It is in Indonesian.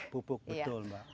pupuk betul mbak